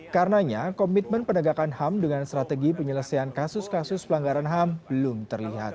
karenanya komitmen penegakan ham dengan strategi penyelesaian kasus kasus pelanggaran ham belum terlihat